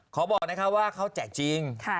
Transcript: ขอบอกว่าเขาแจกจริง